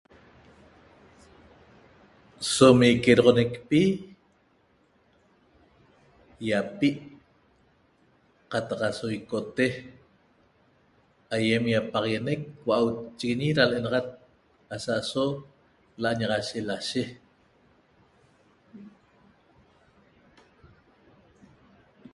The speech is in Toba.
Som iqueroxonecpi ýapi' qataq aso icote aýem ýapaxaguenec hua'auchiguiñi ra l'enaxat aso la'añaxashe lashe